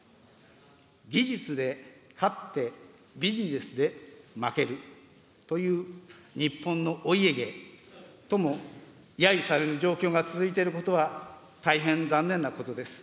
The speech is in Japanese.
技術で勝って、ビジネスで負けるという日本のお家芸ともやゆされる状況が続いていることは、大変残念なことです。